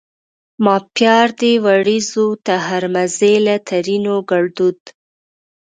ما پيار دي وړیزو ته هرمزي له؛ ترينو ګړدود